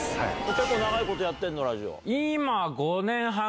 結構長いことやってんの？